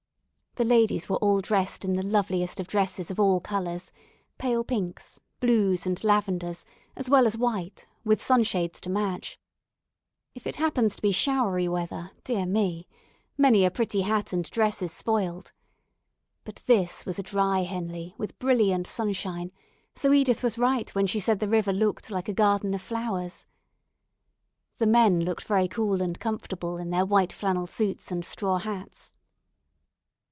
The ladies were all dressed in the loveliest of dresses of all colours, pale pinks, blues, and lavenders, as well as white, with sunshades to match. If it happens to be showery weather, dear me! Many a pretty hat and dress is spoilt. But this was a "dry" Henley, with brilliant sunshine, so Edith was right when she said the river looked like a garden of flowers. The men looked very cool and comfortable in their white flannel suits and straw hats.